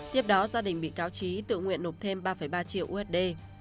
tiếp đó gia đình bị cáo trí tự nguyện nộp thêm ba ba triệu usd